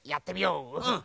うん！